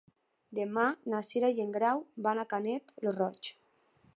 Demà na Cira i en Grau van a Canet lo Roig.